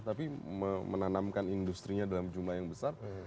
tapi menanamkan industrinya dalam jumlah yang besar